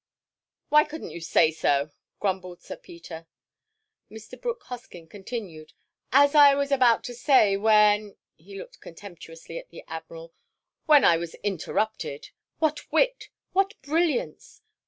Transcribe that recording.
"Why couldn't you say so?" grumbled Sir Peter. Mr. Brooke Hoskyn continued. "As I was about to say when—" he looked contemptuously at the Admiral—"when I was interrupted—What wit! What brilliance!"